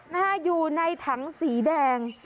นะฮะอยู่ในถังสีแดง